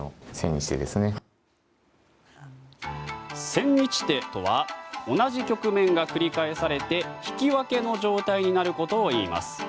千日手とは同じ局面が繰り返されて引き分けの状態になることをいいます。